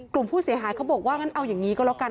กลุ่มผู้เสียหายเขาบอกว่างั้นเอาอย่างนี้ก็แล้วกัน